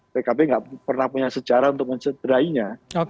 pkb nggak pernah punya sejarah untuk mencederainya